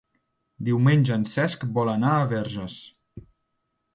Diumenge en Cesc vol anar a Verges.